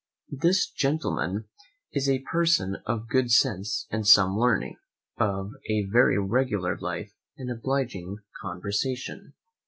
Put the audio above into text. This gentleman is a person of good sense and some learning, of a very regular life and obliging conversation.